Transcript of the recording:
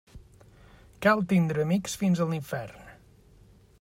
Cal tindre amics fins en l'infern.